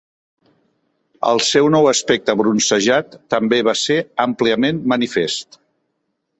El seu nou aspecte bronzejat també va ser àmpliament manifest.